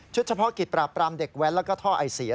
เฉพาะกิจปราบปรามเด็กแว้นแล้วก็ท่อไอเสีย